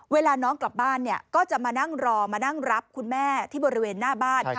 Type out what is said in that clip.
เวลาน้องกลับบ้านเนี่ยก็จะมานั่งรอมานั่งรับคุณแม่ที่บริเวณหน้าบ้าน